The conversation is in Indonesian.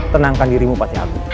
tenangkan dirimu patiaku